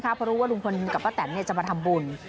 เพราะรู้ว่าลุงพลกับป้าแตนจะมาทำบุญ